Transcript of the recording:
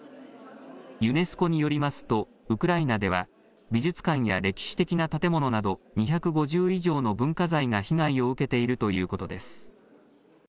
ユネスコによりますとウクライナでは美術館や歴史的な建物など２５０以上の文化財が被害を受けているということです。